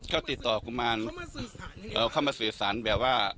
ก็ติดต่อกุมารเข้ามาสื่อสารแบบว่า